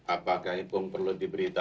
apakah tepung perlu diberitahu